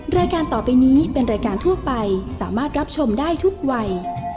รายการต่อไปนี้เป็นรายการทั่วไปสามารถรับชมได้ทุกวัย